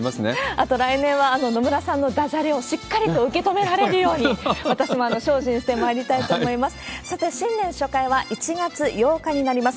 あと、来年は野村さんのだじゃれをしっかりと受け止められるように、私も精進してまいりたいと思います。